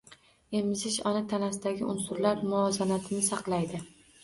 Emizish ona tanasidagi unsurlar muvozanatini saqlaydi.